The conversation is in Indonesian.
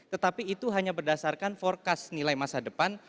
tetapi itu hanya berdasarkan forecast nilai masa depan